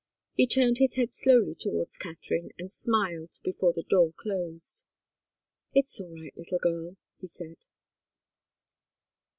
He turned his head slowly towards Katharine and smiled before the door closed. "It's all right, little girl," he said.